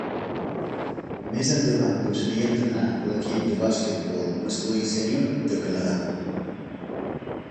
Més endavant passaria a entrenar l'equip de basquetbol masculí sènior de Canadà.